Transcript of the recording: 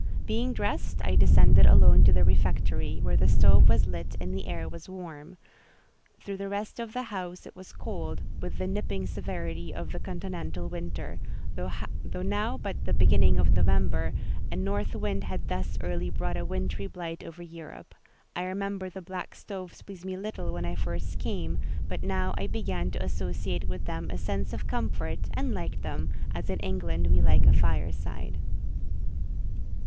Being dressed, I descended alone to the refectory, where the stove was lit and the air was warm; through the rest of the house it was cold, with the nipping severity of a continental winter: though now but the beginning of November, a north wind had thus early brought a wintry blight over Europe: I remember the black stoves pleased me little when I first came; but now I began to associate with them a sense of comfort, and liked them, as in England we like a fireside.